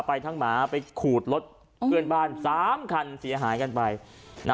ไปทั้งหมาไปขูดรถเพื่อนบ้านสามคันเสียหายกันไปนะ